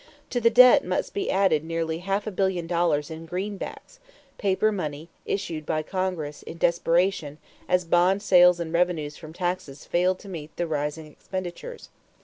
To the debt must be added nearly half a billion dollars in "greenbacks" paper money issued by Congress in desperation as bond sales and revenues from taxes failed to meet the rising expenditures.